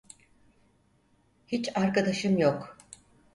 Hiç arkadaşım yok.